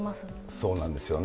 そうなんですよね。